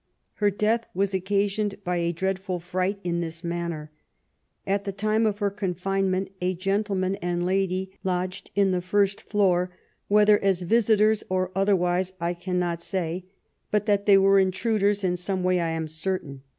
Her death was occasioned by a dreadful fright, in this manner. At the time of her confinement a gentleman and lady lodged in the first floor, whether as visitors or otherwise I can not say, bat that they were intruders in some way I am certain.